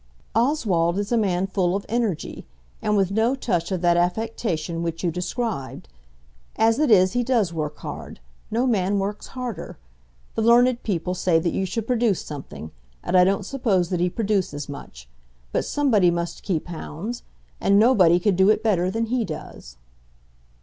"Oswald is a man full of energy, and with no touch of that affectation which you described. As it is, he does work hard. No man works harder. The learned people say that you should produce something, and I don't suppose that he produces much. But somebody must keep hounds, and nobody could do it better than he does."